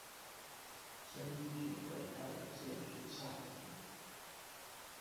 生驹郡为奈良县属下的郡。